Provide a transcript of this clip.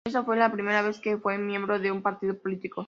Esta fue la primera vez que fue miembro de un partido político.